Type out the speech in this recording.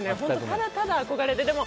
ただただ憧れで。